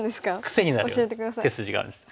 癖になる手筋があるんです。